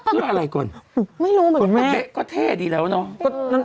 คืออะไรก่อนไม่รู้แบบแบ๊ะก็เท่ดีแล้วเนาะ